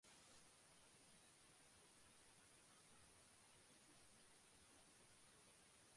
Therefore, it ensures that no digram occurs more than once in the grammar.